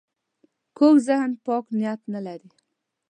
کوږ ذهن پاک نیت نه لري